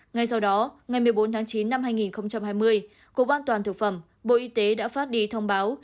ngay sau đó ngày một mươi bốn tháng chín năm hai nghìn hai mươi cục an toàn thực phẩm bộ y tế đã phát đi thông báo